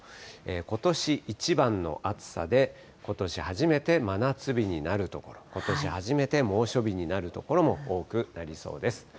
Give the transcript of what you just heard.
ことし一番の暑さで、ことし初めて真夏日になる所、ことし初めて猛暑日になる所も多くなりそうです。